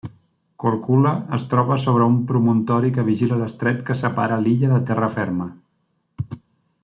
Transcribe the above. Korčula es troba sobre un promontori que vigila l'estret que separa l'illa de terra ferma.